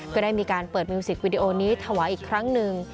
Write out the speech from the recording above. ก็ได้มีการเปิดมิวสิกวิดีโอนี้ถวายอีกครั้งหนึ่ง